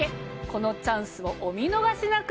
このチャンスをお見逃しなく。